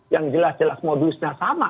yang jelas jelas modusnya sama